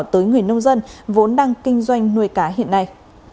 tới người nông dân vốn đang kinh doanh nuôi cá hiện nay